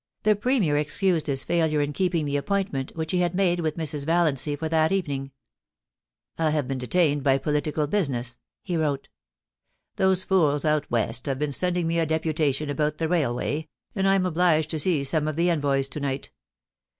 The Premier excused his failure in keeping the appoint ment which he had made with Mrs. Valiancy for that evening. ' I have been detained by political business,' he wrote. ' Those fools out west have been sending me a deputation about the railway, and I am obliged to see some of the envoys to night.